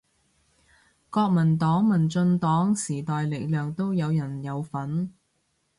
國民黨民進黨時代力量都有人有份